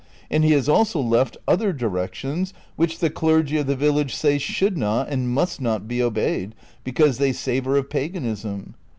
And he lias also left other directions which the clergy of the village say should not and must not be obeyed because they savor of paganism.